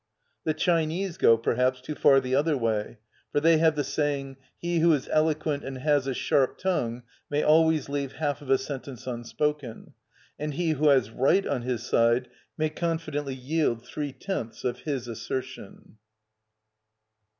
The Chinese go, perhaps, too far the other way, for they have the saying: "He who is eloquent and has a sharp tongue may always leave half of a sentence unspoken; and he who has right on his side may confidently yield three tenths of his assertion."